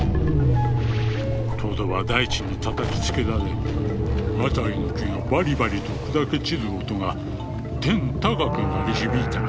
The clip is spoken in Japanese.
「トドは大地に叩きつけられ辺りの木がバリバリと砕け散る音が天高く鳴り響いた」。